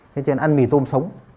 thế chứ ăn mì tôm sống